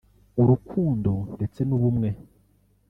urukundo ndetse n’ubumwe